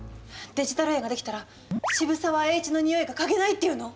デジタル円ができたら渋沢栄一の匂いが嗅げないっていうの？